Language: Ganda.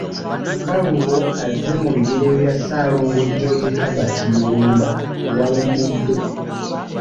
Nkalubo azze mu bigere bya Ssaalongo George Herbert Mulumba eyawummudde.